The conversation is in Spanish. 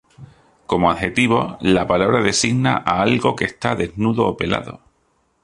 Como adjetivo, la palabra designa a algo que está desnudo o pelado.